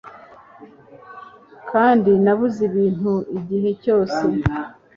kandi nabuze ibintu igihe cyose